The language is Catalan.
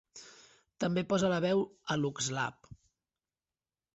També posa la veu a l'Ugslap.